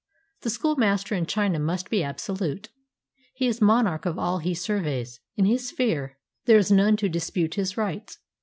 The schoolmaster in China must be absolute. He is monarch of all he surveys ; in his sphere there is none to dispute his rights.